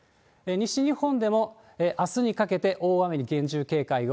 西日本でもあすにかけて大雨に厳重警戒を。